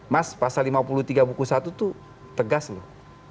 mas pasal lima puluh tiga buku satu itu tegas loh